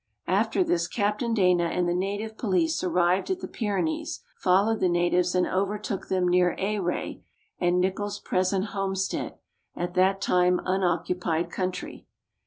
After this Captain Dana and the native police arrived at the Pyrenees, followed the natives, and overtook them near Ayrey and Nicholas present homestead at that time unoccupied country.